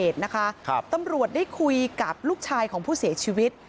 ตำรวจได้คุยกับลูกชายของผู้เสียชีวิต